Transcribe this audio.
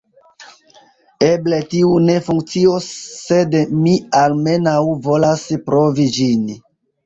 Eble tiu ne funkcios sed mi almenaŭ volas provi ĝin